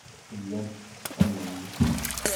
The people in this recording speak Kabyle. Tellam tetteqqnem.